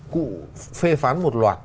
cụ phê phán một loạt